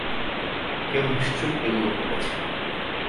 কেউ নিশ্চয়ই এগুলো করেছে।